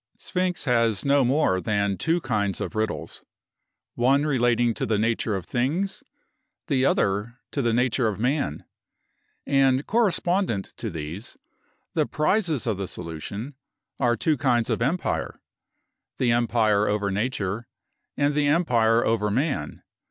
Sphinx has no more than two kinds of riddles, one relating to the nature of things, the other to the nature of man; and correspondent to these, the prizes of the solution are two kinds of empire,—the empire over nature, and the empire over man.